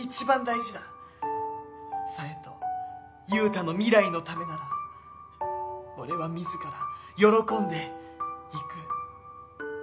紗江と佑太の未来のためなら俺は自ら喜んで逝く。